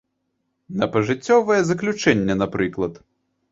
На пажыццёвае заключэнне, напрыклад.